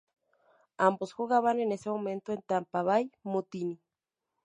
Ambos jugaban en ese momento en Tampa Bay Mutiny.